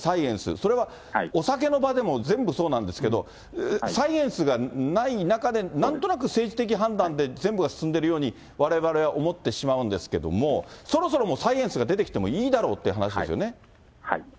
それはお酒の場でも全部そうなんですけど、サイエンスがない中で、なんとなく政治的判断で全部が進んでいるように、われわれ、思ってしまうんですけども、そろそろもう、サイエンスが出てきてもいいだろうって話ですよね。